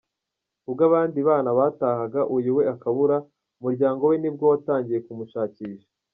Ubwo abandi bana batahaga uyu we akabura, umuryango we nibwo watangiye kumushakisha.